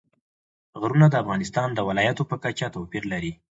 غرونه د افغانستان د ولایاتو په کچه توپیر لري.